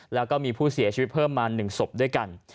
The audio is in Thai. แล้วก็มีผู้เสียชีวิตเพิ่มมา๑ศพด้วยกัน